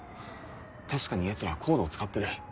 確かにヤツらはＣＯＤＥを使ってる。